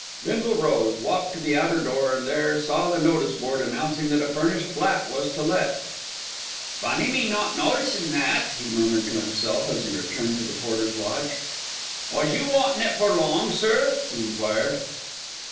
Bindle rose, walked to the outer door, and there saw the notice board announcing that a furnished flat was to let. "Funny me not noticin' that," he murmured to himself, as he returned to the porter's lodge. "Was you wantin' it for long, sir?" he enquired.